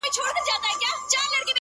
هر ماځيگر تبه” هره غرمه تبه”